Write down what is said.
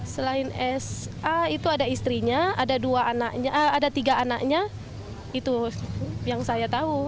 selain sa itu ada istrinya ada tiga anaknya itu yang saya tahu